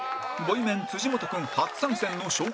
ボイメン本君初参戦の紹介で